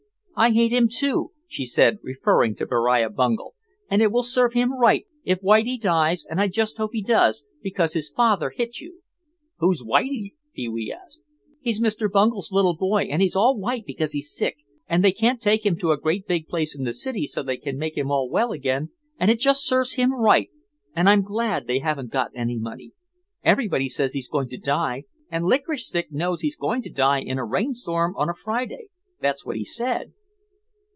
"I hate him, too," she said, referring to Beriah Bungel, "and it will serve him right if Whitie dies and I just hope he does, because his father hit you." "Who's Whitie?" Pee wee asked. "He's Mr. Bungel's little boy and he's all white because he's sick, and they can't take him to a great big place in the city so they can make him all well again and it just serves him right and I'm glad they haven't got any money. Everybody says he's going to die and Licorice Stick knows he's going to die in a rainstorm on a Friday, that's what he said."